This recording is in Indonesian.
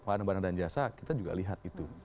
warna warna dan jasa kita juga lihat itu